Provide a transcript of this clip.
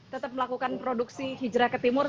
tetap melakukan produksi hijrah ke timur